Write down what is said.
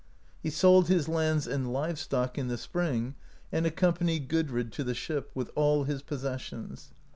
He sold his lands and live stock in the spring, and accompanied Gudrid to the ship, with all his possessions.